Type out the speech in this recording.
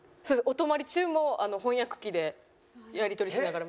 お泊まり中も翻訳機でやり取りしながら。